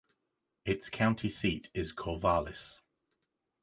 Its county seat is Corvallis.